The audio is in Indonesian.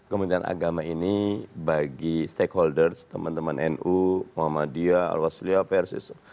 kementerian agama ini bagi stakeholders teman teman nu muhammadiyah al wasliyah versus